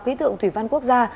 ký tượng thủy văn quốc gia